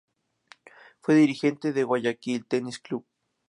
Fue dirigente del Guayaquil Tenis Club.